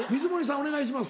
お願いします。